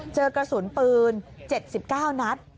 เจอกระสุนปืน๗๙นัด